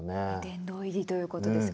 殿堂入りということですが。